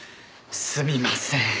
すみません。